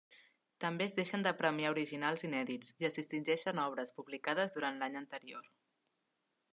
També es deixen de premiar originals inèdits i es distingeixen obres publicades durant l’any anterior.